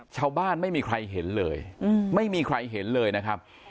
ชาวบ้านไม่มีใครเห็นเลยไม่มีใครเห็นเลยนะครับ